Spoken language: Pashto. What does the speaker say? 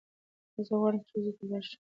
زه غواړم ښونځي ته لاړشم